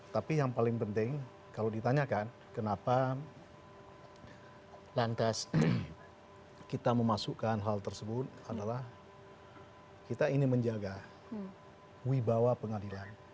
tapi yang paling penting kalau ditanyakan kenapa lantas kita memasukkan hal tersebut adalah kita ingin menjaga wibawa pengadilan